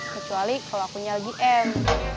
kecuali kalau aku nyelgi end